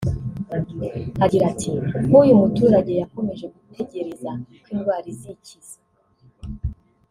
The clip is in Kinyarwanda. agira ati “Nk’uyu muturage yakomeje gutegereza ko indwara izikiza